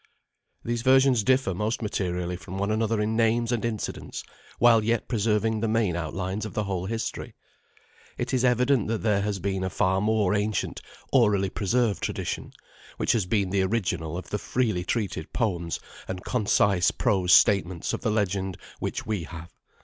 These versions differ most materially from one another in names and incidents, while yet preserving the main outlines of the whole history. It is evident that there has been a far more ancient, orally preserved tradition, which has been the original of the freely treated poems and concise prose statements of the legend which we have.